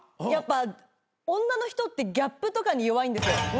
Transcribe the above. やっぱ女の人ってギャップとかに弱いんですよ。